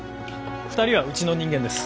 ２人はうちの人間です。